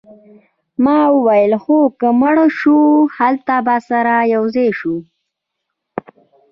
ما وویل هو که مړه شوو هلته به سره یوځای شو